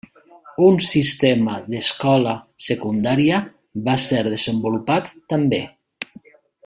Un sistema d'escola secundària va ser desenvolupat també.